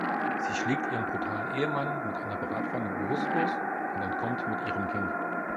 Sie schlägt ihren brutalen Ehemann mit einer Bratpfanne bewusstlos und entkommt mit ihrem Kind.